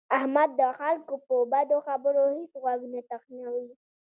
احمد د خلکو په بدو خبرو هېڅ غوږ نه تخنوي.